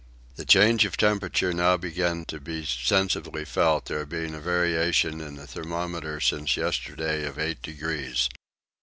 The change of temperature began now to be sensibly felt, there being a variation in the thermometer since yesterday of eight degrees.